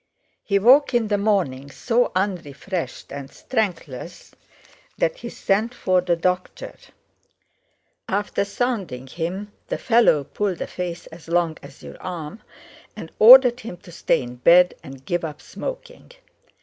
He woke in the morning so unrefreshed and strengthless that he sent for the doctor. After sounding him, the fellow pulled a face as long as your arm, and ordered him to stay in bed and give up smoking.